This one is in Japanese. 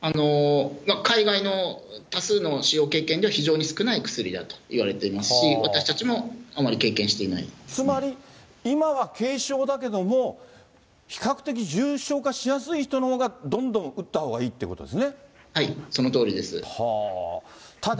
海外の多数の使用経験では、非常に少ない薬だといわれてますし、つまり、今は軽症だけれども、比較的重症化しやすい人のほうがどんどん打ったほうがいいっていそのとおりです。